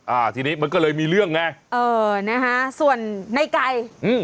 อ่าทีนี้มันก็เลยมีเรื่องไงเออนะฮะส่วนในไก่อืม